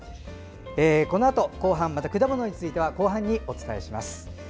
このあと果物についてはまた後半にお伝えします。